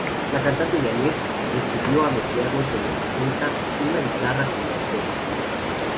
La cantante Jeanette recibió a mediados de los sesenta una guitarra como obsequio.